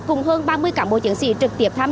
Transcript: cùng hơn ba mươi cảng bộ chiến sĩ trực tiếp tham gia